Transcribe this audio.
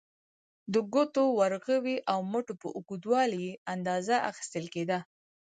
د ګوتو، ورغوي او مټو په اوږدوالي یې اندازه اخیستل کېده.